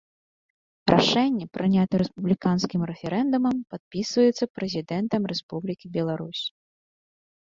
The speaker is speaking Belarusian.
Рашэнні, прынятыя рэспубліканскім рэферэндумам, падпісваюцца Прэзідэнтам Рэспублікі Беларусь.